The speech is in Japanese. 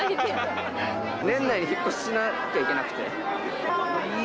年内に引っ越しをしなくちゃいけなくて。